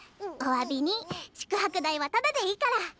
おわびに宿泊代はタダでいいから。